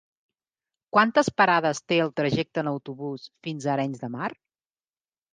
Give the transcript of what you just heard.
Quantes parades té el trajecte en autobús fins a Arenys de Mar?